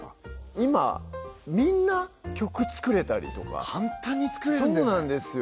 今みんな曲作れたりとか簡単に作れるんだよねそうなんですよ